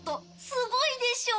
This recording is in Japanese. すごいでしょ？